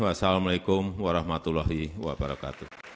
wassalamu alaikum warahmatullahi wabarakatuh